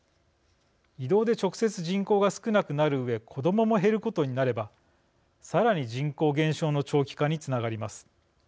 移動で直接人口が少なくなるうえ子どもも減ることになればさらに人口減少の長期化につながります。